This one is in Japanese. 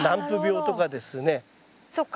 そっか。